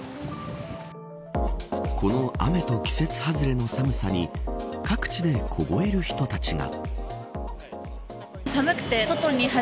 この雨と季節外れの寒さに各地で凍える人たちが。